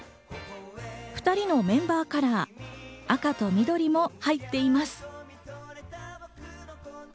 ２人のメンバーカラー、赤と緑も入っています。